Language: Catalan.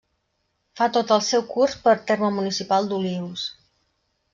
Fa tot el seu curs per terme municipal d'Olius.